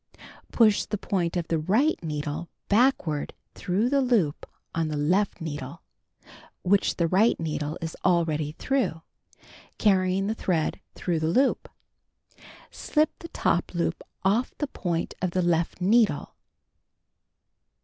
Push the point of the right needle backward through the loop on the left needle (which the right needle is already through) carr3dng the thread through the loop. Slip the top loop off the point of the left needle.